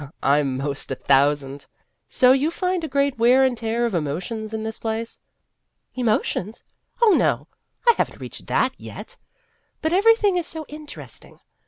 I 'm 'most a thousand. So you find a great wear and tear of emotions in this place?" " Emotions ? Oh, no, I have n't reached that yet ! But everything is so interesting.